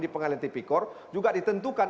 di pengadilan tipikor juga ditentukan